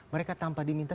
mereka tanpa diminta